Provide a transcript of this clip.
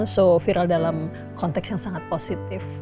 so viral dalam konteks yang sangat positif